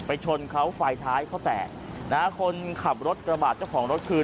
ชนเขาไฟท้ายเขาแตกนะฮะคนขับรถกระบาดเจ้าของรถคือ